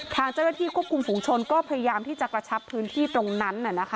ทางเจ้าหน้าที่ควบคุมฝุงชนก็พยายามที่จะกระชับพื้นที่ตรงนั้น